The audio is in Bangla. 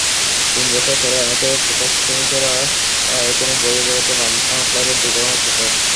তিন বছর পরও আহত পোশাকশ্রমিকেরা এখনো বয়ে বেড়াচ্ছেন রানা প্লাজা দুর্ঘটনার ক্ষত।